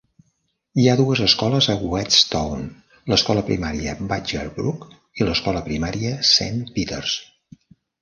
Hi ha dues escoles a Whetstone: l'escola primària Badgerbrook i l'escola primària Saint Peters.